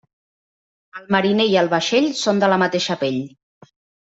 El mariner i el vaixell són de la mateixa pell.